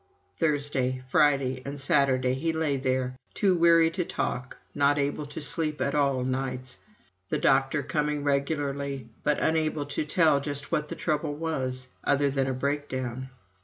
Thursday, Friday, and Saturday he lay there, too weary to talk, not able to sleep at all nights; the doctor coming regularly, but unable to tell just what the trouble was, other than a "breakdown."